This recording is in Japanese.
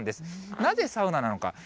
なぜサウナなのか。